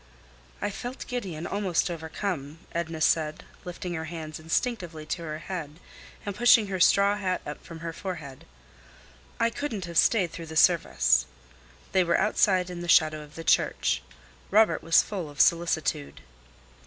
"I felt giddy and almost overcome," Edna said, lifting her hands instinctively to her head and pushing her straw hat up from her forehead. "I couldn't have stayed through the service." They were outside in the shadow of the church. Robert was full of solicitude.